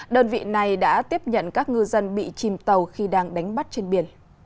đơn vị này đã tiếp nhận các ngư dân bị chìm tàu khi đang đánh bắt trên biển